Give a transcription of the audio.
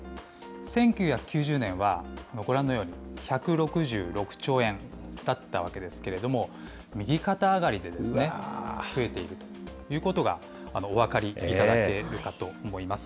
１９９０年はご覧のように、１６６兆円だったわけですけれども、右肩上がりで増えているということがお分かりいただけるかと思います。